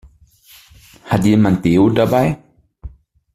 Hat jemand Deo dabei?